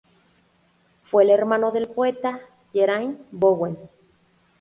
Fue el hermano del poeta Geraint Bowen.